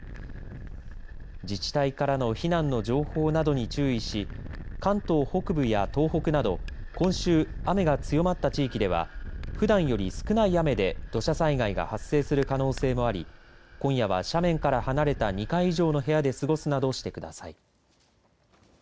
自治体からの避難の情報などに注意し関東北部や東北など今週、雨が強まった地域ではふだんより少ない雨で土砂災害が発生する可能性もあり今夜は斜面から離れた２階以上の部屋で過ごすなどしてください。